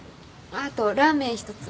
あとラーメン１つ。